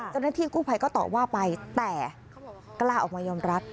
ตอนนั้นที่กู้ไพรก็ตอบว่าไปแต่กล้าออกมายอมรับ